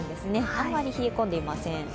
あんまり冷え込んでいません。